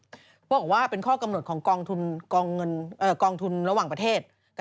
เขาบอกว่าเป็นข้อกำหนดของกองทุนระหว่างประเทศ